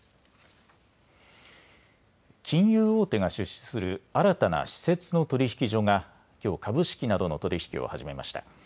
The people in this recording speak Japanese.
金融大手が出資する新たな私設の取引所がきょう、株式などの取り引きを始めました。